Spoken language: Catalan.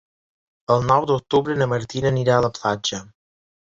El nou d'octubre na Martina anirà a la platja.